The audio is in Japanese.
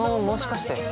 もしかして。